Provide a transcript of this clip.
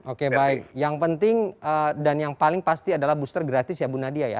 oke baik yang penting dan yang paling pasti adalah booster gratis ya bu nadia ya